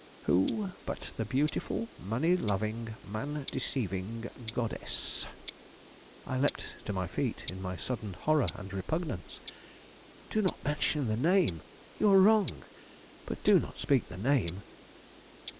Who but the beautiful, money loving, man deceiving goddess " I leaped to my feet in my sudden horror and repugnance. "Do not mention the name! You are wrong; but do not speak the name."